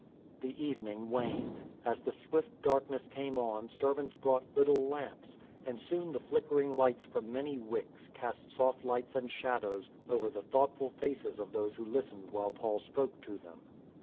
The evening waned. As the swift darkness came on servants brought little lamps, and soon the flickering lights from many wicks cast soft lights and shadows over the thoughtful faces of those who listened while Paul spoke to them.